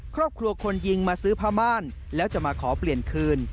ครอบครัวคนยิงมาซื้อผ้าม่านแล้วจะมาขอเปลี่ยนคืน